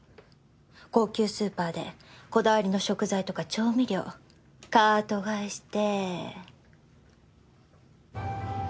高級スーパーでこだわりの食材とか調味料カート買いして。